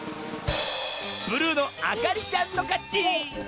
ブルーのあかりちゃんのかち！